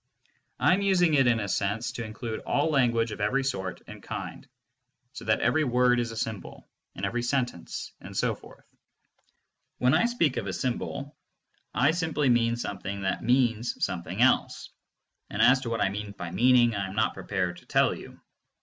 I am using it in a sense to include all language of every sort and kind, so that every word is a symbol, and every sentence, and so forth. When I speak of a symbol I simply mean something that "means" some thing else, and as to what I mean by "meaning" I am not prepared to tell you.